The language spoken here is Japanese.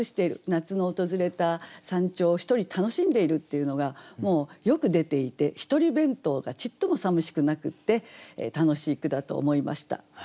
夏の訪れた山頂を独り楽しんでいるっていうのがよく出ていて独り弁当がちっともさみしくなくって楽しい句だと思いました。